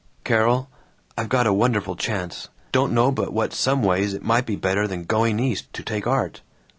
"Carol! I've got a wonderful chance! Don't know but what some ways it might be better than going East to take art.